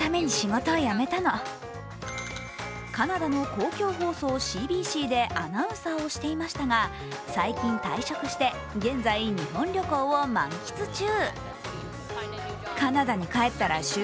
カナダの公共放送ＣＢＣでアナウンサーをしていましたが、最近退職して現在、日本旅行を満喫中。